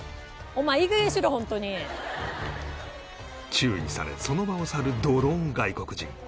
注意されその場を去るドローン外国人